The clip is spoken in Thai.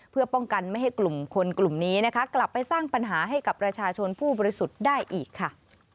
เพื่อป้องกันไม่ให้กลุ่มคนกลุ่มนี้นะคะกลับไปสร้างปัญหาให้กับประชาชนผู้บริสุทธิ์ได้อีกค่ะ